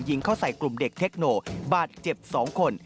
เข้าใส่กลุ่มเด็กเทคโนบาดเจ็บ๒คน